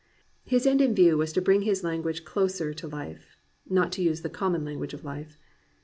His end in view was to bring his language closer to Hfe, not to use the conunon language of life.